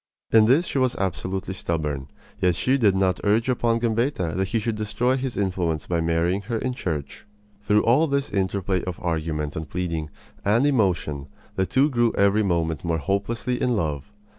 In this she was absolutely stubborn, yet she did not urge upon Gambetta that he should destroy his influence by marrying her in church. Through all this interplay of argument and pleading and emotion the two grew every moment more hopelessly in love.